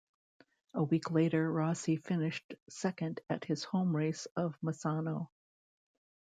A week later Rossi finished second at his home race of Misano.